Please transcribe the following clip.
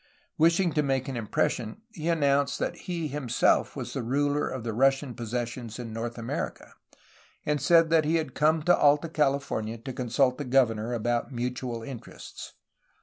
Wishing to make an impression he announced that he himself was the ruler of the Russian possessions in North America, and said that he had come to Alta Califor nia to consult the governor about mutual interests.